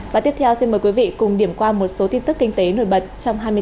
và tiếp theo xin mời quý vị cùng điểm qua một số tin tức kinh tế nổi bật trong hai mươi bốn giờ qua